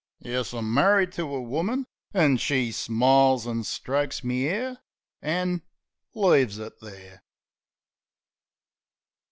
Yes, I'm marri'd to a woman. An' she smiles, an' strokes me 'air, An' leaves it there.